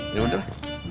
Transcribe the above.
ya udah lah